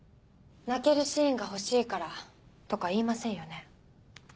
「泣けるシーンが欲しいから」とか言いませんよね？